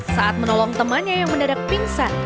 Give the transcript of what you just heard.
saat menolong temannya yang mendadak pingsan